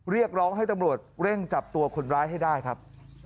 เรียกร้องให้ตำรวจเร่งจับตัวคนร้ายให้ได้ครับ